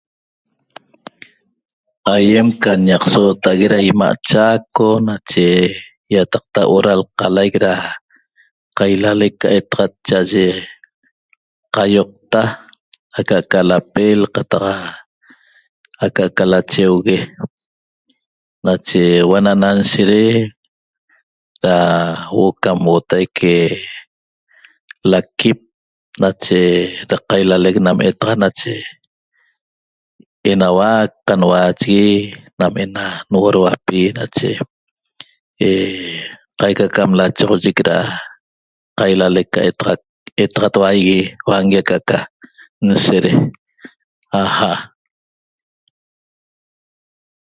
Aýem can ñaq soota'ague da 'ima' Chaco nache ýataqta huo'o da lqalaic da qailalec ca etaxat cha'aye qaioqta aca'aca lapel qataq aca'ca lacheugue nache huo'o ana'ana nshede da huo'o cam huotaique laquip nache da qailalec nam etaxat nache enauac qanuaachigui nam ena nhuoduapi nache qaica cam lachoxoyic da qailalec ca etaxat huaigui etaxat huangui aca'aca nshede 'aja'